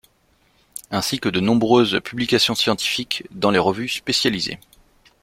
Ainsi que de nombreuses publications scientifiques dans les revues spécialisées.